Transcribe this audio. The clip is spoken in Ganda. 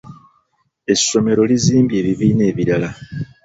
Essomero lizimbye ebibiina ebirala.